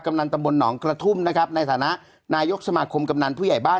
นันตำบลหนองกระทุ่มนะครับในฐานะนายกสมาคมกำนันผู้ใหญ่บ้าน